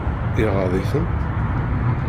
Iɣaḍ-iten?